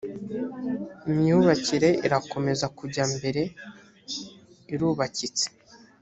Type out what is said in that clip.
myubakire irakomeza kujya imbere irubakitse